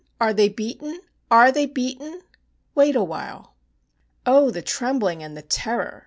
Are they beaten? ARE they beaten?" "Wait a while." Oh the trembling and the terror!